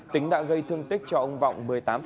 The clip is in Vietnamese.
tính đã gây thương tích cho ông vọng một mươi tám